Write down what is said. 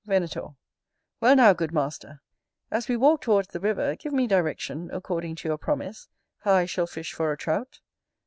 Venator. Well now, good master, as we walk towards the river, give me direction, according to your promise, how I shall fish for a Trout.